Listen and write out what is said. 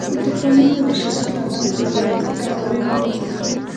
د طوفانونو د شدت له امله د زراعت د کموالي لامل کیږي.